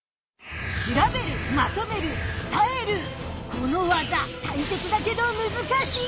この技たいせつだけどむずかしい！